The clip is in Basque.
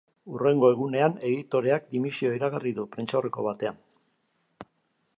Hurrengo egunean, editoreak dimisioa iragarri du prentsaurreko batean.